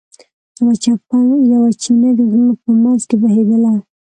یوه چینه د غرونو په منځ کې بهېدله.